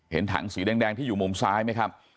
เห็นถังสีแดงที่อยู่มุมซ้ายไหมครับ